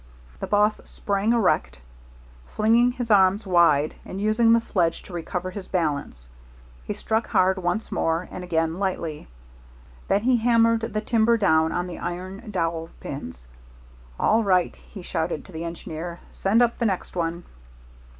The boss sprang erect, flinging his arms wide and using the sledge to recover his balance. He struck hard once more and again lightly. Then he hammered the timber down on the iron dowel pins. "All right," he shouted to the engineer; "send up the next one."